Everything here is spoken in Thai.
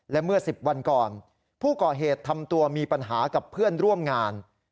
และเมื่อ๑๐วันก่อนผู้ก่อเหตุทำตัวมีปัญหากับเพื่อนร่วมงาน